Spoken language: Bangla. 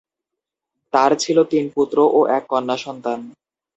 তার ছিল তিন পুত্র ও এক কন্যা সন্তান।